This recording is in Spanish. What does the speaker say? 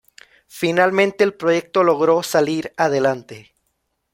Finalmente el proyecto logró salir adelante.